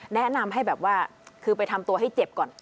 แนะนำให้แบบว่าคือไปทำตัวให้เจ็บก่อน